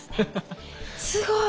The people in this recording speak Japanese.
すごい。